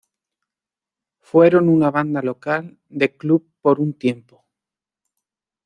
Fueron una banda local de club por un tiempo.